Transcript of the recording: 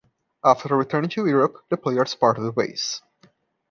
After returning to Europe, the players parted ways.